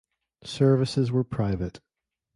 Services were private.